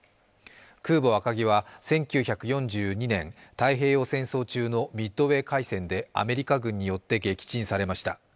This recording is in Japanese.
空母「赤城」は１９４２年、太平洋戦争中のミッドウェー海戦でアメリカ軍によって撃沈されました。